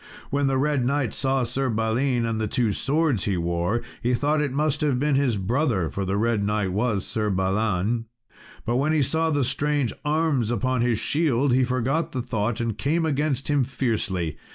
When the red knight saw Sir Balin, and the two swords he wore, he thought it must have been his brother (for the red knight was Sir Balan), but when he saw the strange arms on his shield, he forgot the thought, and came against him fiercely.